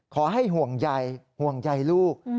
ขอให้ห่วงใยห่วงใยลูก